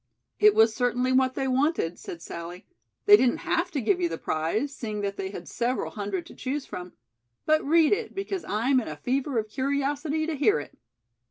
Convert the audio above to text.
"It was certainly what they wanted," said Sallie. "They didn't have to give you the prize, seeing that they had several hundred to choose from. But read it, because I'm in a fever of curiosity to hear it."